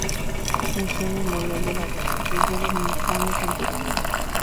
Museo Memorial de la Resistencia Dominicana, en Santo Domingo.